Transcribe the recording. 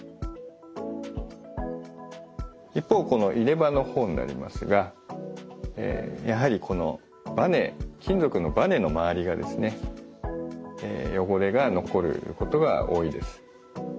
一方この入れ歯の方になりますがやはりこのバネ金属のバネの周りがですね汚れが残ることが多いです。